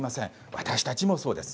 私たちもそうです。